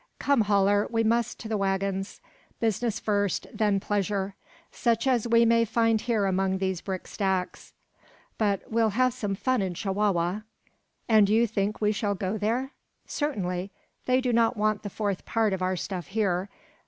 "Come, Haller! we must to the waggons. Business first, then pleasure; such as we may find here among these brick stacks. But we'll have some fun in Chihuahua." "And you think we shall go there?" "Certainly. They do not want the fourth part of our stuff here.